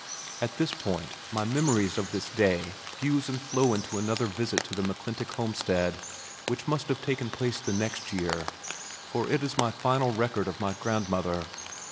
At this point my memories of this day fuse and flow into another visit to the McClintock homestead which must have taken place the next year, for it is my final record of my grandmother.